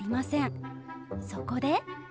そこで。